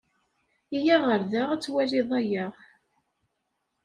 Iyya ɣer da ad twaliḍ aya.